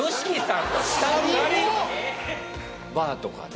バーとかで？